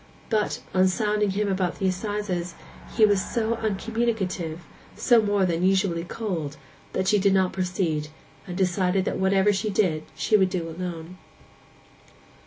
But, on sounding him about the assizes, he was so uncommunicative, so more than usually cold, that she did not proceed, and decided that whatever she did she would do alone.